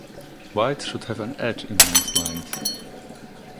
White should have an edge in most lines.